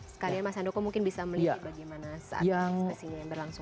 sekalian mas hando kamu mungkin bisa melihat bagaimana saat ekspresinya yang berlangsung